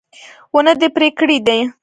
ونه دې پرې کړې ده